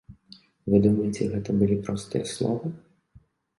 Вы думаеце гэта былі простыя словы?